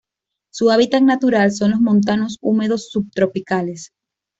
Su hábitat natural son los montanos húmedos subtropicales.